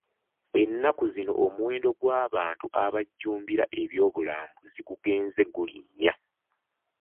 Ennaku zino omuwendo gw'abantu abajjumbira eby'obulambuzi gugenze gulinnya.